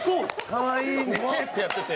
かわいいねってやってて。